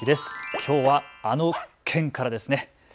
きょうはあの県からですね。